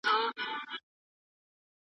نقشه جوړه کړئ.